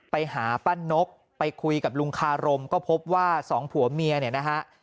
ไปหาป้านกไปคุยกับลุงคารมก็พบว่าสองผัวเมียเนี่ยนะฮะ